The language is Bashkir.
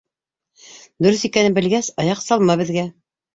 — Дөрөҫ икәнен белгәс, аяҡ салма беҙгә.